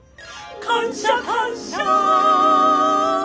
感謝感謝